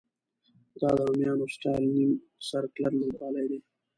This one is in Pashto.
دا د رومیانو سټایل نیم سرکلر لوبغالی دی.